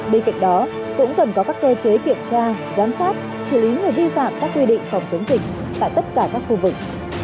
bên cạnh đó cũng cần có các cơ chế kiểm tra giám sát xử lý người vi phạm các quy định phòng chống dịch tại tất cả các khu vực